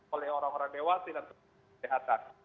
oleh orang orang dewasa dan orang orang kesehatan